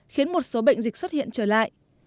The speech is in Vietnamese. khiến một số bệnh dịch xuất hiện trở lại